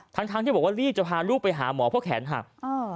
ทั้งที่บอกว่ารีบจะพาลูกไปหาหมอเพราะแขนหัก